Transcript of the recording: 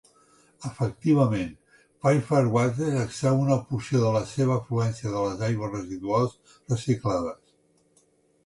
Efectivament, Fairfax Water extrau una porció de la seva afluència de les aigües residuals reciclades.